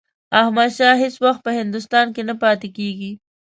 احمدشاه هیڅ وخت په هندوستان کې نه پاتېږي.